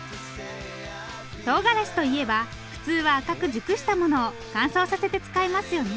とうがらしといえば普通は赤く熟したものを乾燥させて使いますよね。